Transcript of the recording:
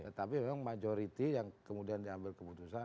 tetapi memang majority yang kemudian diambil keputusan